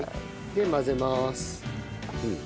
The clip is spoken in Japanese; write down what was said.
で混ぜます。